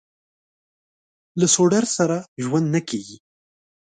له سوډرسره ژوند نه کېږي.